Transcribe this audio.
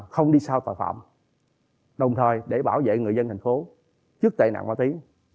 không đi sau tòa phạm đồng thời để bảo vệ người dân tp hcm trước tệ nạn ma túy